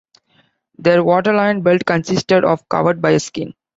Their waterline belt consisted of covered by a skin.